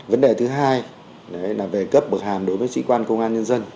vấn đề thứ hai là về cấp bậc hàm đối với sĩ quan công an nhân dân